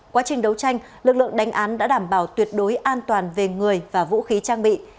quá trình đấu tranh lực lượng đánh án đã đảm bảo tuyệt đối an toàn về người và vũ khí trang bị